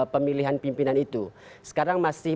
pemilihan pimpinan itu sekarang masih